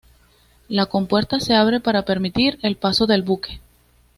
La compuerta se abre para permitir el paso del buque.